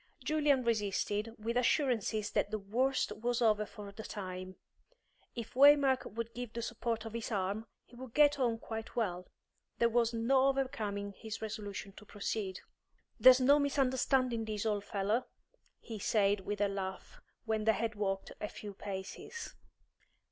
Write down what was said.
Julian resisted, with assurances that the worst was over for the time. If Waymark would give the support of his arm, he would get on quite well. There was no overcoming his resolution to proceed. "There's no misunderstanding this, old fellow," he said, with a laugh, when they had walked a few paces.